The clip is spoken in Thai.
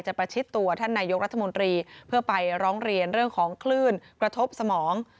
ประชิดตัวท่านนายกรัฐมนตรีเพื่อไปร้องเรียนเรื่องของคลื่นกระทบสมอง